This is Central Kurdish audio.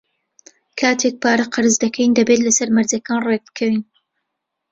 کاتێک پارە قەرز دەکەین، دەبێت لەسەر مەرجەکان ڕێکبکەوین.